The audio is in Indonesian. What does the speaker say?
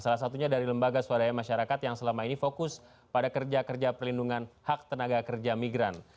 salah satunya dari lembaga swadaya masyarakat yang selama ini fokus pada kerja kerja perlindungan hak tenaga kerja migran